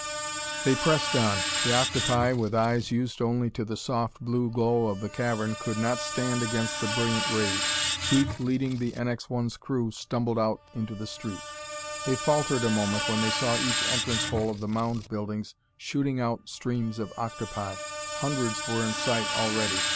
They pressed on. The octopi, with eyes used only to the soft blue glow of the cavern, could not stand against the brilliant rays. Keith leading, the NX 1's crew stumbled out into the street. They faltered a moment when they saw each entrance hole of the mound buildings shooting out streams of octopi. Hundreds were in sight already.